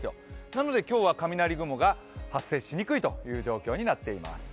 なので今日は雷雲が発生しにくい状況になっています。